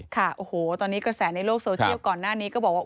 ค่ะโอ้โหตอนนี้กระแสในโลกโซเชียลก่อนหน้านี้ก็บอกว่า